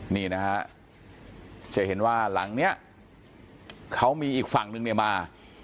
นี่นะฮะจะเห็นว่าหลังเนี่ยเขามีอีกฝั่งนึงเนี่ยมา